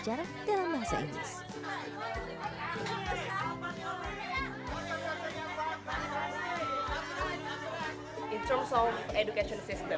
menurut sistem pendidikan apa yang harus diperbaiki